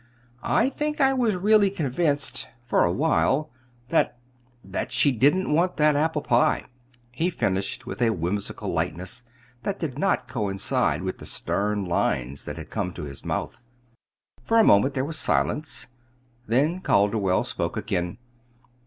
I think I was really convinced, for a while, that that she didn't want that apple pie," he finished with a whimsical lightness that did not quite coincide with the stern lines that had come to his mouth. For a moment there was silence, then Calderwell spoke again.